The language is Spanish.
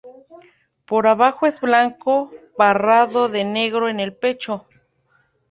Por abajo es blanco barrado de negro en el pecho.